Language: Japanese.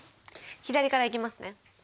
左からいきますね。